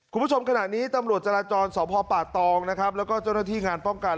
คุณผู้ชมขณะนี้ตำรวจจราจรสพป่าตองนะครับแล้วก็เจ้าหน้าที่งานป้องกัน